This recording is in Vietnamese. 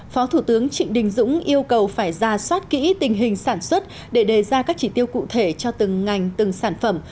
phó thủ tướng trịnh đình dũng yêu cầu phải ra soát kỹ tình hình sản xuất để đề ra các chỉ tiêu cụ thể cho từng ngành từng sản phẩm